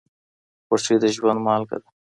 خوښي د ژوند مالګه ده.